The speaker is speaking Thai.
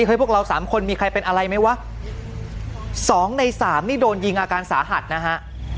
พวกเราสามคนมีใครเป็นอะไรไหมวะสองในสามนี่โดนยิงอาการสาหัสนะฮะ